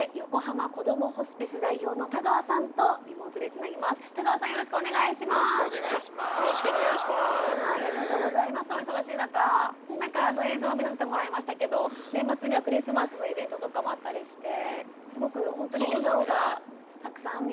なんかあの映像を見させてもらいましたけど年末にはクリスマスのイベントとかもあったりしてすごくほんとに笑顔がたくさん見れそうですね。